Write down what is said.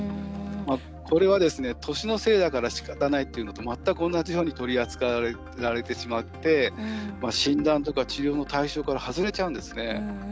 これは年のせいだからしかたないっていうのと全く同じように取り扱われてしまって診断とか治療の対象から外れちゃうんですね。